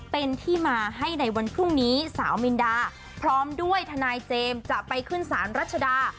เป็นที่มาให้ในวันพรุ่งนี้สาวมินดาพร้อมด้วยทนายเจมส์จะไปขึ้นศาลรัชดา